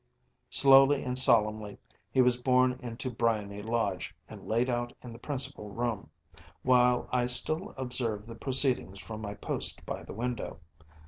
‚ÄĚ Slowly and solemnly he was borne into Briony Lodge and laid out in the principal room, while I still observed the proceedings from my post by the window.